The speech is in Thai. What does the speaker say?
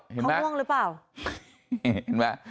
เขาง่วงหรือเปล่า